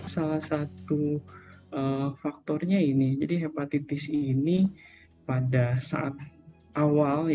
salah satu faktornya ini jadi hepatitis ini pada saat awal